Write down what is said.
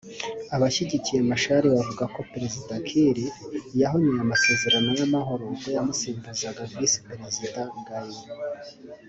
Abashyigikiye Machar bavuga ko Perezida Kiir yahonyoye amasezerano y’amahoro ubwo yamusimbuzaga Visi Perezida Gai